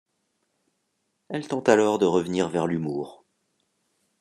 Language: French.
Elle tente alors de revenir vers l'humour.